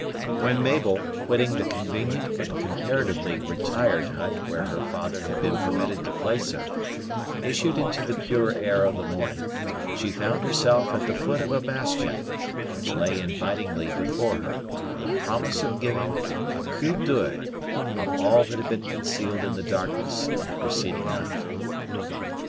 When Mabel, quitting the convenient, but comparatively retired hut where her father had been permitted to place her, issued into the pure air of the morning, she found herself at the foot of a bastion, which lay invitingly before her, with a promise of giving a coup d'oeil of all that had been concealed in the darkness of the preceding night.